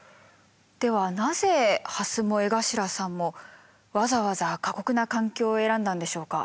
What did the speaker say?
ではなぜハスも江頭さんもわざわざ過酷な環境を選んだんでしょうか？